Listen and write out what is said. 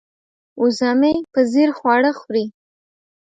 وزه مې په ځیر خواړه خوري.